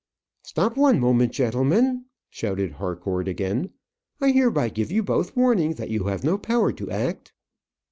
"Stop one moment, gentlemen," shouted Harcourt again. "I hereby give you both warning that you have no power to act."